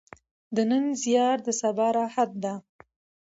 د نن زیار د سبا راحت ده.